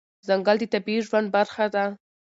ځنګل د طبیعي ژوند برخه ده.